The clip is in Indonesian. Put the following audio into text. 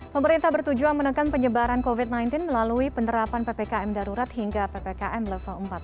pemerintah bertujuan menekan penyebaran covid sembilan belas melalui penerapan ppkm darurat hingga ppkm level empat